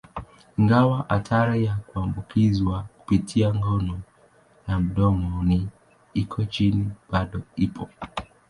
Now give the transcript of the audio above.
Ingawa hatari ya kuambukizwa kupitia ngono ya mdomoni iko chini, bado ipo.